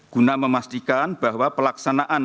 guna memastikan bahwa pelaksanaan